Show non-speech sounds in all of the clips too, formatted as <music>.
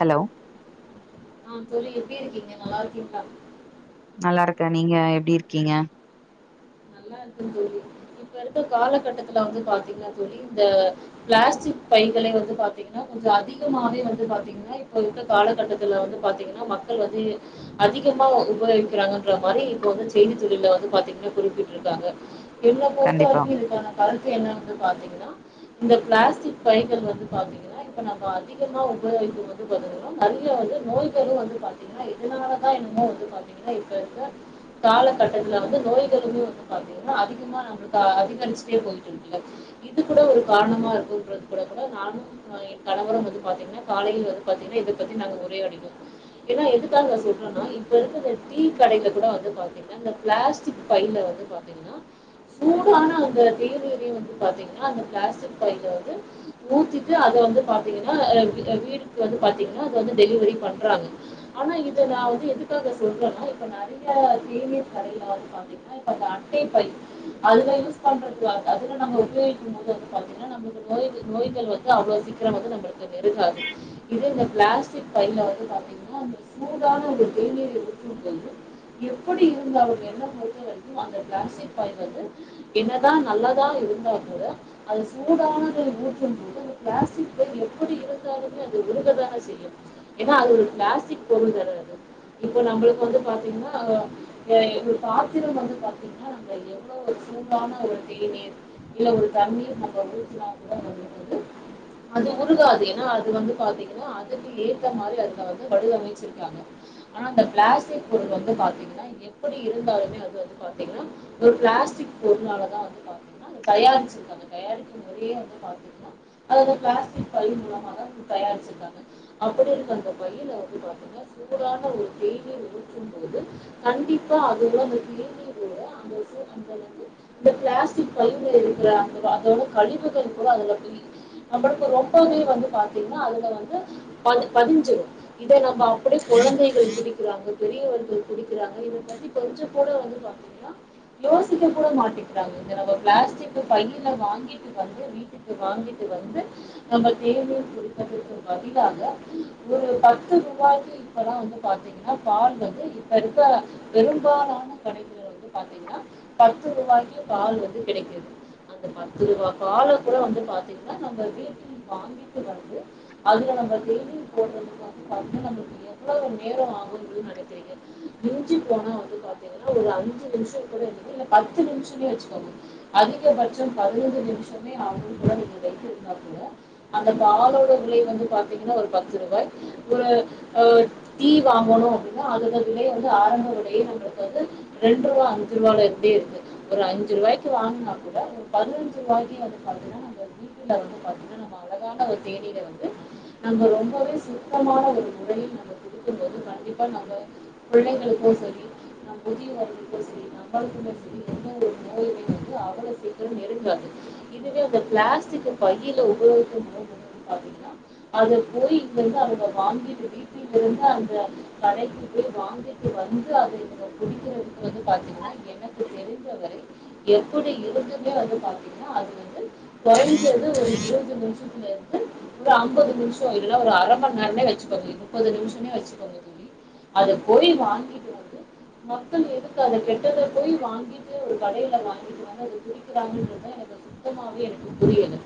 hello ஆஹ் தோழி எப்டி இருக்கீங்க நல்லாருக்கிங்லா நல்லாருக்கே நீங்க எப்டி இருக்கீங்க நல்லாருக்கே தோழி இப்ப இருக்க காலகட்டத்துல வந்து பாத்தீங்க தோழி இந்த பிளாஸ்டிக் பைகளே வந்து பாத்தீங்கனா கொஞ்ஜோ அதிகமாவே வந்து பாத்தீங்கனா இப்போ இருக்க காலகட்டத்துல வந்து பாத்தீங்கனா மக்கள் வந்து அதிகமா உபயோகின்றாங்க மாரி இப்போ வந்து செய்தி துறைல வந்து பாத்தீங்கனா குறிப்பி ட்ருக்காங்க என்ன பொறுத்த கண்டிப்பா வரைக்கு இதுதா கருத்து என்னனு வந்து பாத்தீங்னா இந்த பிளாஸ்டிக் பைகள் வந்து பாத்தீங்கனா இப்ப நம்ப அதிகமா உபயோகிக்கறது வந்து பாத்தீங்கினா நறைய வந்து நோய்களு வந்து பாத்தீங்கினா இதனாலதா என்னமோ வந்து பாத்தீங்கினா இப்பருக்க காலகட்டதுல வந்து நோய்களுமே வந் பாத்தீங்னா அதிகமா நம்ளுக்கு அதிக <unintelligible> பொயிட்டுருக்குல இதுக்குதா ஒரு கார்ணமாருக்குன்றுகிறதுல நானு என் கணவரும் வந்து பாத்தீங்னா காலையில வந்து பாத்தீங்னா இத பத்தி நாங்க உரையாடினோ எனா எதுக்காக வந்து <unintelligible> இப்போ இருக்க ஒரு டீ கடையில குட வந்து பாத்தீங்னா இந்த பிளாஸ்டிக் பைல வந்து பார் சூடானா <unintelligible> வந்து பாத்தீங்கனா அந்த பிளாஸ்டிக் பைல வந்து ஊத்திட்டு அத வந்து பாத்தீங்ன்னா வீ வீடுகுள்ள வந்து பாத்தீங்கனா அந்த வந்து டெலிவெரி பண்றாங்க ஆனா இத வா நா எதுக்காக சொல்றே நா இப்ப நெறையா தேீர் கடைலலா பாத்தீங்ன்னா பை அதுல யூஸ் பண்றதுல அதுல நம்ப உபயோகிக்கும் போது வந்து பாத்திங்கனா நம்ளுக்கு எதாது நோய் நோய்கள் வந்து அவ்ளோ சீக்கிரோ வந்து நம்ளுக்கு நெருங்காது இது இந்த பிளாஸ்டிக் பைல வந்து பாத்தீங்ன்னா ஒங்ளுக்கு சூடான ஒரு தேநீர் எப்டி இருந்தது எப்டி இருந்தால் என்ன பொருத்த வரைக்கும் பிளாஸ்டிக் பை வந்து என்னதா நல்லதா இருந்தா கூட அது சூடானதை ஊற்றும் போது பிளாஸ்டிக் எப்டி இருந்தாலுமே அது உருகதானே செய்யு ஏன்னா அது ஒரு பிளாஸ்டிக் பொருள்தானே அது இப்ப நம்ளுக்கு வந்து பாத்தீங்ன்னா ஒரு பாத்திரம் வந்து எவ்ளோ சூவான ஒரு தேநீர் இல்ல ஒரு தண்ணீர் நம்ச வீட்ல அது உருகாது ஏன்னா அது வந்து பாத்தீங்கன்னா அதுக்கு ஏற்ற மாரி அதுல வந்து வடிமைச்சிருக்காங்க ஆனா அந்த பிளாஸ்டிக் பொருள் வந்து பாத்தீங்ன்னா எப்டி இருந்தாலுமே அது வந்து பாத்திங்ன்னா ஒரு பிளாஸ்டிக் பொருளாலதா வந்து பாத்தீங்ன்னா தயாளிச்சிருக்காங்க தயாரிக்கு முறையே வந்து பாத்தீங்ன்னா அது அந்த பிளாஸ்டிக் பை மூலமா தா தயாருச்சிருக்காங்க அப்டி இருக்க அந்த பையில வந்து பாத்தீங்கன்னா சூடான ஒரு தேயிலை ஊத்தும்போது கண்டிப்பா அதோட அந்த தேநீர் இந்த பிளாஸ்டிக் பைல இருக்கற அந்த அதோட கழிவுகள் கூட அதுல போய் நம்ளுக்கு ரொம்பவே வந்து பாத்தீங்கன்னா அதுல வந்து ப பதிஞ்சு இத நம்ப அப்டியே குழந்தைகள் குடிக்கிறாங்க பெரியவர்கள் குடிக்கிறாங்க இத பத்தி கொஞ்ஜ கூட வந்து பாத்தீ யோசிக்கட மாட்டிகிறாங்க இங்க நம்ப பிளாஸ்டிக்கு பையில வாங்கிட்டு வந்து வீட்டுக்கு வாங்கிட்டு வந்து நம்ப தேநீர் குடிப்பதுக்கு பதிலாக ஒரு பத்து ரூபாய்க்கு இப்பெல்லா வந்து பாத்தீங்ன்னா பால் வந்து இப்ப இருக்க பெரும்பாலான கடைங்கல வந்து பாத்தீங்ன்னா பத்து ரூபாய்க்கு பால் வந்து கிடைக்குறது அந்த பத் அஞ்சுருவா பால குட வந்து பாத்தீங் நம்ப வீட்ல வாங்கிட்டு வந்து அதுல நம்ப டெய்லி போட்றது நம்பளுக்கு எவ்ளோ ஒரு நேரோ ஆகுனு நெனைக்கிறீங்க மிஞ்சி போனா வந்து பாத்தீங்ன்னா ஒரு அஞ்சு நிமிஷோ <unintelligible> இல்ல பத்து நிமிஷோனே வச்சுக்கோங்க அதிக பட்சம் பதினஞ்சு நிமிஷமே <unintelligible> அந்த பாலோட விலை வந்து பாத்திங்கனா ஒரு பத்து ரூபா ஒரு ஒரு டீ வாங்கனு அப்டினா அதோட விலைய வந்து ஆரம்ப விலையே ரெண்ரூவா இது வேண்டா இப்டியே இருக்கு இதுவே அந்த பிளாஸ்டிக் பையில உபயோகிக்கும் போது வந்து பாத்தீங்கன்னா அத போயி இங்க இருந்து அங்க வாங்கி வீட்டில் இருந்து அந்த கடைக்கு போய் வாங்கிட்டு வந்து அத இவங்க குடிக்கறதுக்கு வந்து பாத்தீங்கன்னா எனக்கு தெரி்ஞ்சவரை எப்டி இருந்துமே வந்து பாத்தீங்கன்னா அது வந்து கொறஞ்சது ஒரு இருவத்தஞ்சு நிமிஷத்துல இருந்து ஒரு ஐம்பது நிமிஷோ இல்ல ஒரு அர மண் நேரமே வச்சுக்கோங்க முப்பது நிமிஷமே வச்சுக்கோங்க தோழி அத போய் வாங்கிட்டு வந்து மக்கள் எதுக்கு அத கிட்ட போய் வாங்கிட்டு ஒரு கடையில வாங்கிட்டு வர்றாங்க அத குடிக்கிறாங்கனு கேட்டே எனக்கு அது சுத்தமாவே எனக்கு புரியல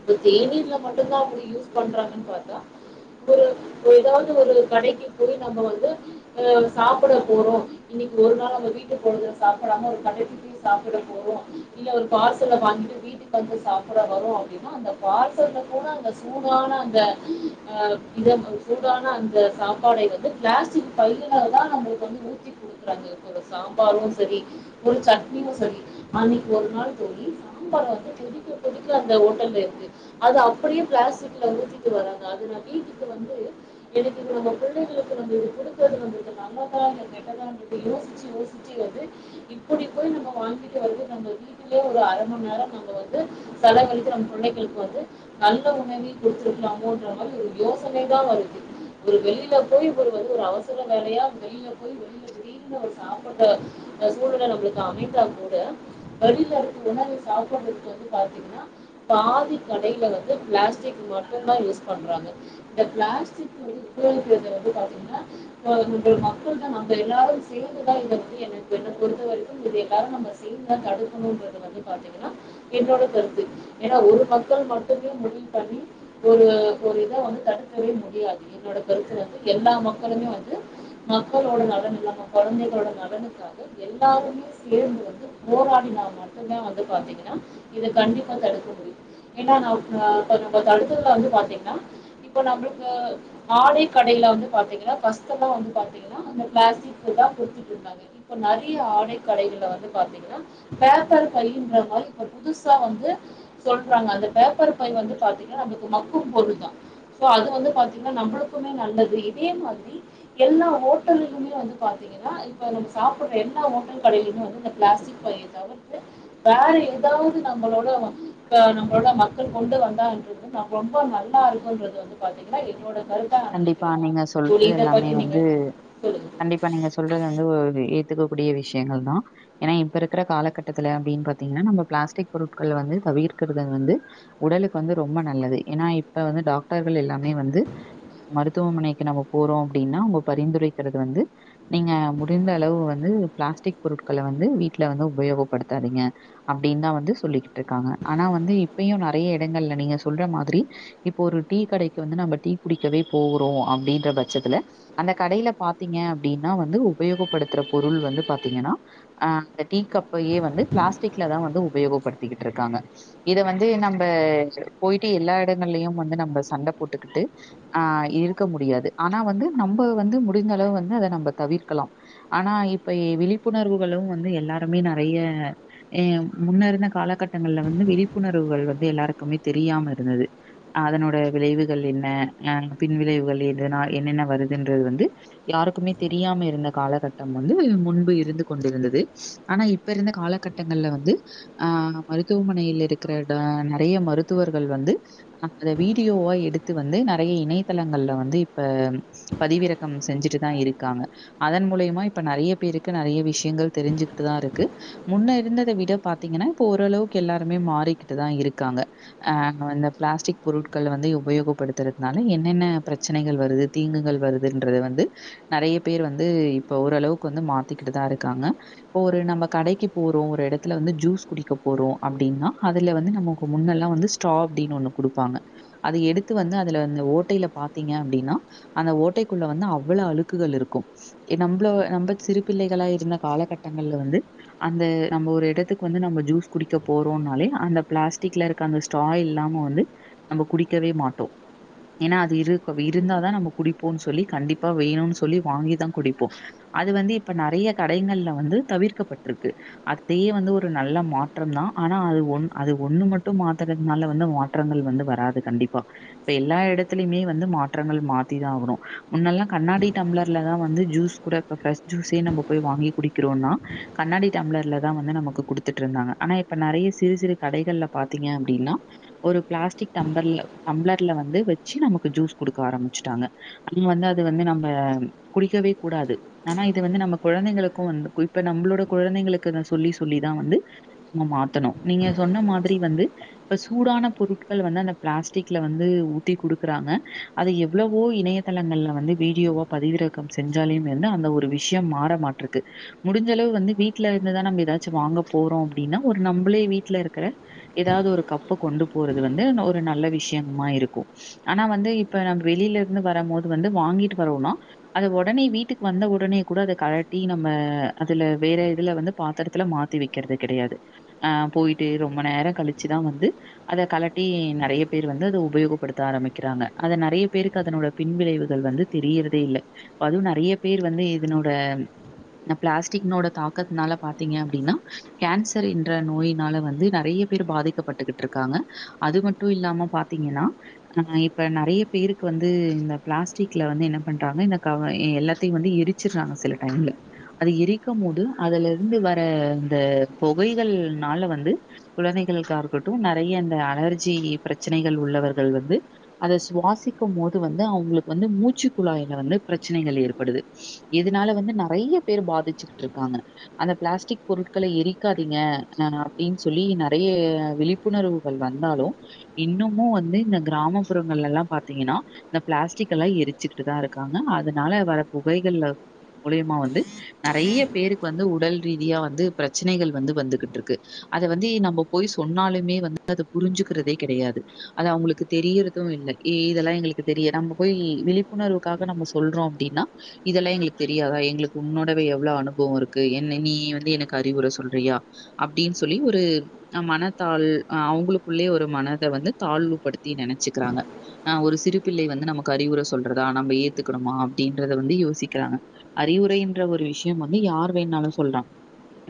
இப்ப தேநீர்ல மட்டுதா அவங்க யூஸ் பண்றாங்கன்னு பாத்தா ஒரு எதாவது ஒரு கடைக்கு போய் நம்ப வந்து சாப்பட போறோ இன்னிக்கு ஒரு நாள் வீட் சாப்டாம ஒரு கடைக்கு போய் சாப்பட போறோ இல்ல ஒரு பார்சல வாங்கிட்டு வீட்டுக்கு வந்து சாப்பட வரோ அப்டின்னா அந்த பார்சல்ல கூட அந்த சூடான அந்த சூடான அந்த சாப்பாடை வந்து பிளாஸ்டிக் பைலனால தா நம்ளுக்கு வந்து ஊத்திகுடுக்குறாங்க சாம்பாரு சரி ஒரு சட்னியு சரி அன்னிக்கு ஒரு நாள் தோழி சாம்பாரு கொதிக்க கொதிக்க அந்த ஹோட்டல்ல இருக்கு அது அப்டியே பிளாஸ்டிக்ல ஊத்தி தராங்க அது நா வீட்டுக்கு வந்து எனக்கு இத நம்ப கொழந்தைகளுக்கு வந்து இது குடுக்கறது வந்து நல்லா இல்ல கெட்டதானு யோசிச்சி யோசிச்சி வந்து இப்டி போய் நம்ப வாங்கிட்டு வந்து நம்ப வீட்டுலே ஒரு அர மணி நேரோ நம்ப வந்து செலவழித்து நம்ப புள்ளைகளுக்கு வந்து நல்ல உணவி குடுத்துருக்கலாமோன்ற மாரி ஒரு யோசனைதா வருது ஒரு வெளியில போய் ஒரு ஒரு அவசர வேலையா வெளியில போய் வெயிலு வெயிலுனு சாப்புட்டே <unintelligible> நம்ளுக்குலா வீட்ல இருக்கும் போது வெளில இருந்து உணவை சாப்பட்றதுக்கு வந்து பாத்தீங்கன்னா பாதி கடையில வந்து பிளாஸ்டிக் மட்டும்தா யூஸ் பண்றாங்க இந்த பிளாஸ்டிக்கு உடலுகுள்ள எப்டி வந்து கலக்கும்னா மக்கள் தா நம்ப எல்லாரு சேந்து பொறுத்த வரைக்கு <unintelligible> பாத்தீங்கனா என்னோட கருத்து ஏனா ஒரு பக்க மட்டு <unintelligible> முடிவு பண்ணி ஒரு ஒரு இத வந்து தடுக்கவே முடியாது என்னோட க்க எல்லா மக்களுமே வந்து மக்களோட நலனிலமா கொழந்தைகளோட நலனுக்காக எல்லாருமே சேந்து வந்து போராடி ந <unintelligible> வந்து பாத்தீங்கன்னா இது கண்டிப்பா தடுக்க முடியு ஏனா நா அ <unintelligible> அடுத்ததுல வந்து பாத்தீங்கனா இப்ப நம்பளுக்கு ஆடை கடையில வந்து பாத்தீங்கனா கஷ்டமா வந்து பாத்தீங்கனா பிளாஸ்டிக் தா குடுத்துட்டு இருந்தாங்க இப்ப நெறைய ஆடை கடைகள வந்து பாத்தீங்கன்னா பேப்பர் பைன்ற மாரி புதுசா வந்து சொல்றாங்க அந்த பேப்பர் பை வந்து பாத்திங்கனா நம்பளுக்கு மக்கும் பொருள் தா சோ அது வந்து பாத்திங்கனா நம்புளுக்குமே நல்லது இதே மாரி எல்லா ஓட்டலுமே வந்து பாத்தீங்கன்னா இப்ப நம்ம சாப்பிட்ற எல்லா ஓட்டல் கடையிலுமே வந்து பிளாஸ்டிக் பையை தவிர்த்து வேற ஏதாவது நம்மளோட நம்மளோட மக்கள் கொண்டு வந்தான்றது ரொம்ப நல்லா இருக்குன்றது வந்து பாத்தீங்கனா என்னோட கருத்தா கண்டிப்பா நெனைக்கிறே நானு நீங்க தோழி சொல்றது இத எல்லாமே பத்தி நீங்க வந்து சொல்லுங்க கண்டிப்பா நீங்க சொல்றது வந்து ஒரு ஏத்துக்க கூடிய விஷயங்கள் தா ஏனா இப்ப இருக்கிற காலகட்டத்துல அப்படின் பாத்தீங்கனா நம்ம பிளாஸ்டிக் பொருட்கள் வந்து தவிர்க்கறது வந்து உடலுக்கு வந்து ரொம்ப நல்லது ஏனா இப்ப வந்து டாக்டர்கள் எல்லாமே வந்து மருத்துவமனைக்கு நம்ம போறோ அப்படின்னா நம்ப பரிந்துரைக்கிறது வந்து நீங்க முடிந்த அளவு வந்து பிளாஸ்டிக் பொருட்கள வந்து வீட்டுல வந்து உபயோகப் படுத்தாதீங்க அப்படின் தா வந்து சொல்லிக்கிட்டு இருக்காங்க ஆனா வந்து இப்பயு நொறைய இடங்கள்ல நீங்க சொல்ற மாரி இப்ப ஒரு டீ கடைக்கு வந்து நம்ம டீ குடிக்கவே போறோ அப்படின்ற பட்சத்துல அந்த கடையில பாத்தீங்க அப்படின்னா வந்து உபயோகப்படுத்துற பொருள் வந்து பாத்தீங்கன்னா அ அந்த டீ கப்பையே வந்து பிளாஸ்டிக்ல தா வந்து உபயோகப் படுத்திக்கிட்டு இருக்காங்க இத வந்து நம்ப போயிட்டு எல்லா இடங்கள்லயு வந்து நம்ப சண்ட போட்டுக்கிட்டு ஆ இருக்க முடியாது ஆனா வந்து நம்ம வந்து முடிந்த அளவு வந்து அத நம்ம தவிர்க்கலா ஆனா இப்ப விழிப்புணர்வுகளு வந்து எல்லாருமே நெறைய அ முன்ன இருந்த காலகட்டங்கள்ல வந்து விழிப்புணர்வுகள் வந்து எல்லாருக்குமே தெரியாம இருந்தது அதனோட விளைவுகள் என்ன அ பின் விளைவுகள் எதுனா என்னென்ன வருதுன்றது வந்து யாருக்குமே தெரியாம இருந்த காலகட்டம் வந்து முன்பு இருந்து கொண்டிருந்தது ஆனா இப்ப இருந்த காலகட்டங்கள்ல வந்து ஆ மருத்துவமனையில் இருக்கிற நெறைய மருத்துவர்கள் வந்து அ அத வீடியோவா எடுத்து வந்து நெறைய இணையதளங்கள்ல வந்து இப்ப பதிவிறக்கம் செஞ்சுட்டு தா இருக்காங்க அதன் மூலியமா இப்ப நெறைய பேருக்கு நெறைய விஷயங்கள் தெரிஞ்சுகிட்டு தா இருக்கு முன்ன இருந்தத விட பாத்தீங்கனா இப்ப ஓரளவுக்கு எல்லாருமே மாறிக்கிட்டு தா இருக்காங்க ஆ பிளாஸ்டிக் பொருட்கள் வந்து உபயோகப்படுத்துறது னால என்னென்ன பிரச்சனைகள் வருது தீங்குகள் வருதுன்றத வந்து நெறைய பேர் வந்து இப்ப ஓரளவுக்கு வந்து மாத்திக்கிட்டுதா இருக்காங்க இப்ப ஒரு நம்ம கடைக்கு போறோ ஒரு இடத்துல வந்து ஜூஸ் குடிக்க போறோ அப்படின்னா அதுல வந்து நம முன்னெல்லா வந்து ஸ்ட்ரா அப்புடினு ஒண்ணு குடுப்பாங்க அது எடுத்து வந்து அதுல அந்த ஓட்டையில பாத்தீங்க அப்படின்னா அந்த ஓட்டைக்குள்ள வந்து அவ்ளோ அழுக்குகள் இருக்கும் நம்பள நம்ம சிறு பிள்ளைகளா இருந்த காலகட்டங்கள்ல வந்து அந்த நம்ம ஒரு இடத்துக்கு வந்து நம்ம ஜூஸ் குடிக்க போறோனாலே அந்த பிளாஸ்டிக்ல இருக்க அந்த ஸ்ட்ரா இல்லாம வந்து நம்ம குடிக்கவே மாட்டோ ஏனா அது இரு இருந்தாதா நம்ம குடிப்போன்னு சொல்லி கண்டிப்பா வேணுன்னு சொல்லி வாங்கிதா குடிப்போ அது வந்து இப்ப நேறைய கடைகள்ல வந்து தவிர்க்கப்பட்டிருக்கு அதயே வந்து ஒரு நல்ல மாற்றம் தா ஆனா அது ஒன் அது ஒண்ணு மட்டும் மாத்தறதுனால வந்து மாற்றங்கள் வந்து வராது கண்டிப்பா இப்ப எல்லா எடத்துலயுமே வந்து மாற்றங்கள் மாத்திதா ஆகணு முன்னெல்லா கண்ணாடி டம்ளர்லதா வந்து ஜூஸ் கூட ஃபிரஷ் ஜூஸே நம்ப போய் வாங்கி குடிக்கிறோனா கண்ணாடி டம்ளர்லதா வந்து நமக்கு குடுத்துட்டு இருந்தாங்க ஆனா இப்ப நெறைய சிறு சிறு கடைகள்ல பாத்தீங்க அப்படின்னா ஒரு பிளாஸ்டிக் டம்பர்ல டம்ளர் ட்ல வந்து வச்சு நமக்கு ஜீஸ் குடுக்க ஆரம்பிச்டாங்க வந்து அது வந்து நம்ப குடிக்கவே கூடாது ஆனா இது வந்து நம்ம கொழந்தைங்ளுக்கூ வந்து குறிப்பா நம்ளோட குழந்தைங்ளுக்கு நா சொல்லி சொல்லிதா வந்து மாத்தணு நீங்க சொன்ன மாதிரி வந்து இப்ப சூடான பொருட்கள் வந்து அந்த ப்ளாஸ்டிக்ல வந்து து ஊத்தி குடுக்குறாங்க அத எவ்ளவோ இணையதளங்கள்ல வந்து வீடியோவா பதிவிறக்கம் செஞ்சாலு வந்து அந்த ஒரு விஷ்யம் மாற மாட்ருக்கு முடிஞ்சளவு வந்து வீட்ல இருந்துதா நம்ப ஏதாச்சு வாங்க போறோ அப்டின்னா ஒரு நம்ளே வீட்ல இருக்ற ஏதாவ்து ஒரு கப்பு கொண்டு போறது வந்து ஒரு நல்ல விஷ்யம் மா இருக்கூ ஆனா வந்து இப்ப நம்ம வெளில இருந்து வரபோது வந்து வாங்கிட்டு வரோனா அத ஒடனே வீட்டுக் வந்த ஒடனே கூட அத கழட்டி நம்ம அதுல வேற இதுல வந்து பாத்ரத்துல மாத்தி வைக்றது கெடையாது ஆ பொய்ட்டு ரொம்ப நேரோ கழிச்சுதா வந்து அத கலட்டி நறைய பேர் வந்து உபயோபடுத்த ஆரமிக்ராங்க நறைய பேருக்கு அதனோட பின்விளைவுகள் வந்து தெரியறதே இல்ல அதுவு நறைய பேர் வந்து இதனோட பிளாஸ்டிக்னோட தாக்கத்னால பாத்தீங்க அப்டினா கேன்சர்ன்ற நோயினால வந்து நறைய பேர் பாதிக்கப்பட்டுட்டு இருக்காங்க அது மட்டு இல்லாம பாத்திங்கன்னா அ இப்ப நறைய பேருக்கு வந்து இந்த பிளாஸ்டிக்ல வந்து என்ன பண்றாங்க இந்த கவ எல்லாத்தையு வந்து எரிச்சிட்றாங்க சில டைம்ல அது எரிக்கு போது அதுலருந்து வர இந்த புகைகள்னால வந்து குழந்தைளுக்காக இருக்கட்டு நறைய இந்த அலர்ஜி பிரச் பிரச்சனைகள் உள்ளவர்கள் வந்து அத சுவாசிக்கும் போது வந்து அவுங்ளுக்கு வந்து மூச்சு குழாய்ல வந்து பிரச்சனைகள் ஏற்படுது இதுனால வந்து நறைய பேர் பாதிச்சுகிட்டு இருக்காங்க அந்த பிளாஸ்டிக் பொருட்கள எரிக்காதீங்க அ அப்டின் சொல்லி நெறைய விழிப்புணர்வுகள் வந்தாலு இன்னுமு வந்து இந்த கிராமப்புறங்கள்லல்லா பாாத்திங்கன்னா இந்த பிளாஸ்டிகல்லா எரிச்சுக்கிட்டு தா இருக்காங்க அதனால வர புகைகள்ல மூலியமா வந்து நறைய பேருக்கு வந்து உடல் ரீதியா வந்து பிரச்சனைகள் வந்து வந்துகிட்ருக்கு அத வந்து நம்ம போய் சொன்னாலுமே வந்து அத புரிஞ்சுக்றதே கெடையாது அது அவுங்ளுக்கு தெரியறதூ இல்ல இதெல்லா எங்ளுக்கு தெரிய நம்ம போய் விழிப்புணர்வுக்காக நம்ம சொல்றோ அப்டின்னா இதெல்லா எங்ளுக்கு தெரியாதா எங்ளுக்கு உன்னோடவே எவ்ளோ அனுபவோ இருக்கு என் நீ வந்து எனக்கு அறிவுர சொல்றியா அப்டின் சொல்லி ஒரு மனத்தால் அ அவுங்ளுக்குள்ளே ஒரு மன த வந்து தாழ்வுபடுத்தி நெனைச்சுக்றாங்க ஆ ஒரு சிறு பிள்ளை வந்து நமக்கு அறிவுர சொல்றதா நம்ம ஏத்துக்கணுமா அப்டின்றத வந்து யோசிக்றாங்க அறிவுரைன்ற ஒரு விஷ்யோ வந்து யார் வேண்ணாலு சொல்றாங்க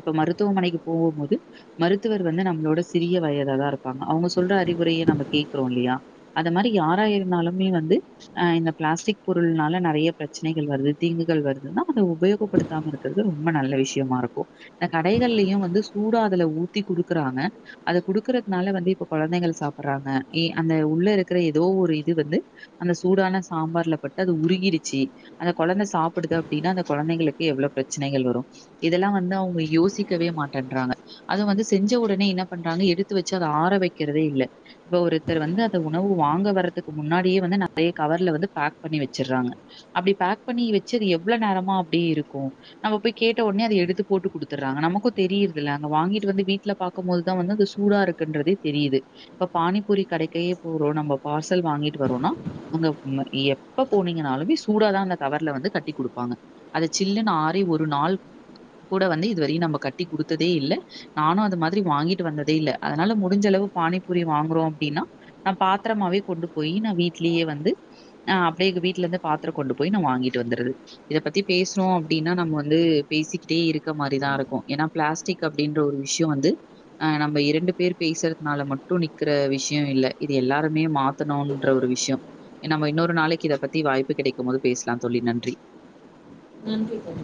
இப்ப மருத்துவமனைக்கு போபோது மருத்துவர் வந்து நம்ளோட சிறிய வயத தா இருப்பாங்க அவுங்க சொல்ற அறிவுரைய நம்ம கேக்றோ இல்லையா அந்த மாரி யாரா இருந்தாலுமே வந்து அ இந்த பிளாஸ்டிக் பொருள்னால நறைய பிரச்சனைகள் வருது தீங்குகள் வருதுன அத உபயோகப்படுத்தாம இருக்றது ரொம்ப நல்ல விஷ்யமா இருக்கூ இந்த கடைகள்ளையு வந்து சூடாஅதுல ஊத்தி குடுக்றாங்க அத குடுக்கறதுனால வந்து இப்ப கொழந்தைகள் சாப்பறாங்க ஏ அந்த உள்ள இருக்ற ஏதோ ஒரு இது வந்து அந்த சூடான சாம்பார்ல பட்டு அது உருகிடுச்சு அந்த கொழந்த சாப்புடுது அப்டின்னா அந்த கொழந்தைங்ளுக்கு எவ்வளோ பிரச்சனைகள் வரு இதெல்லா வந்து அவுங்க யோசிக்கவே மாட்டேன்றாங்க அத வந்து செஞ்ச ஒடனே என்ன பண்றாங்க எடுத்து வச்சு அத ஆர வைக்றதே இல்ல இப்ப ஒருத்தர் வந்து அந்த உணவு வாங்க வர்றதுக்கு முன்னாடியே வந்து நெறைய கவர்ல வந்து பேக் பண்ணி வச்சறாங்க அப்டி பேக் பண்ணி வச்சு அது எவ்வளோ நேரமா அப்டியே இருக்கூ நம்ம போய் கேட்ட ஒட்னே அத எடுத்து போட்டு குடுத்துட்றாங்க நமக்கூ தெரியுறதில்ல அங்க வாங்கிட்டு வந்து வீட்ல பாக்க‌ போதுதா வந்து அது சூடா இருக்குன்றதே தெரியுது இப்ப பானிப்பூரி கடைக்கே போறோ நம்ம பார்சல் வாங்கிட்டு வரோனா அங்க எப்ப போனீங்கன்னாலுமே சூடாதா அந்த கவர்ல வந்து கட்டி குடுப்பாங்க அத சில்லுனு ஆறி ஒரு நாள் கூட வந்து இதுவரையு நம்ம கட்டி குடுத்ததே இல்ல நானு அது மாதிரி வாங்கிட்டு வந்ததே இல்ல அதனால முடிஞ்சளவு பானி பூரி வாங்குறோ அப்டின்னா நா பாத்ரமாவே கொண்டு போய் நா வீட்லயே வந்து அ அப்டியே வீட்டுல இருந்து பாத்திரோ கொண்டு போய் நா வாங்கிட்டு வந்துருது இத பத்தி பேசுறோ அப்டின்னா நம்ம வந்து பேசிக்கிட்டே இருக்க மாதிரிதா ம், இருக்கு ஏன்னா பிளாஸ்டிக் அப்டின்ற ஒரு விஷ்யோ வந்து அ நம்ம ரெண்டு பேர் பேஸ்றதுனால மட்டு மட்டு நிக்ற விஷ்யோ இல்ல இது எல்லாருமே மாத் த்தணூன்ற கண்டிப்பா ஒரு சொல்லுங்க விஷ்யோ நம்ம இன்னொரு நாளைக்கு இத பத்தி வாய்ப்பு கெடைக்கும் போது பேஸ்லா தோழி நன்றி ம்